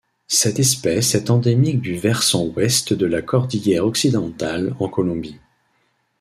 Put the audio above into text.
Cette espèce est endémique du versant Ouest de la cordillère Occidentale en Colombie.